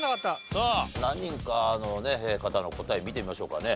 さあ何人かの方の答え見てみましょうかね。